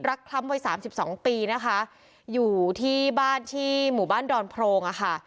คล้ำวัยสามสิบสองปีนะคะอยู่ที่บ้านที่หมู่บ้านดอนโพรงอะค่ะ